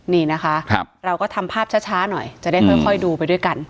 นี่นะคะเราก็ทำภาพช้าหน่อยจะได้ค่อยดูไปด้วยกัน